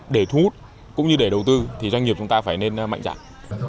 để thu hút cũng như để đầu tư thì doanh nghiệp chúng ta phải nên mạnh dạng